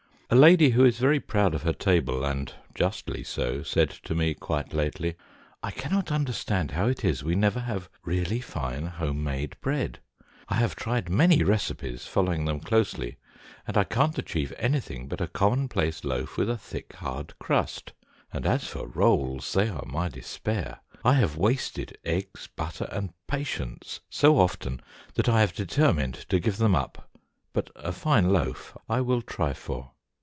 A lady who is very proud of her table, and justly so, said to me quite lately, "I cannot understand how it is we never have really fine home made bread. I have tried many recipes, following them closely, and I can't achieve anything but a commonplace loaf with a thick, hard crust; and as for rolls, they are my despair. I have wasted eggs, butter, and patience so often that I have determined to give them up, but a fine loaf I will try for."